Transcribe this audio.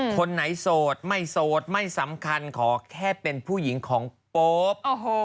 คนไหนโสดไม่โสดไม่สำคัญขอแค่เป็นผู้หญิงของโป๊ป